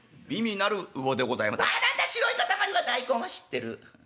「あっ何だ白い塊は大根は知ってる。